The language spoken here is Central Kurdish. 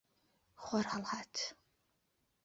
خۆر هەڵهات.